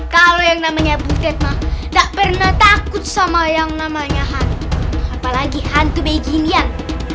kalau yang namanya butet mah tak pernah takut sama yang namanya apa lagi hantu beginian